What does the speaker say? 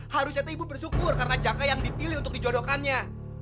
harusnya tuh ibu bersyukur karena jaka yang dipilih untuk dijodohkannya